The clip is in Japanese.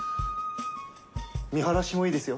見晴らしもいいですよ。